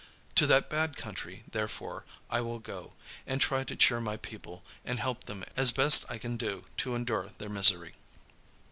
To that bad country, therefore, I will go, and try to cheer my people and help them as best I can to endure their misery."